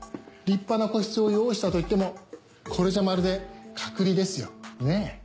立派な個室を用意したといってもこれじゃまるで隔離ですよ。ねぇ？